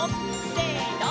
せの！